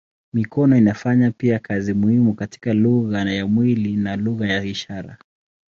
Mikono inafanya pia kazi muhimu katika lugha ya mwili na lugha ya ishara.